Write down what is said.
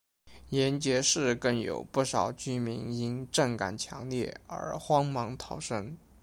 延吉市更有不少居民因震感强烈而慌忙逃生。